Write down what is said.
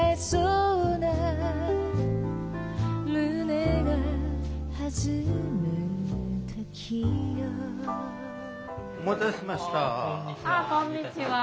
ああこんにちは。